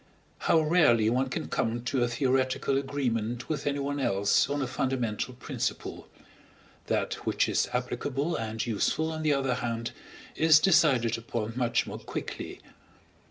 How rarely one can come to a theoretical agreement with anyone else on a fundamental principle. That which is applicable and useful, on the other hand, is decided upon much more quickly.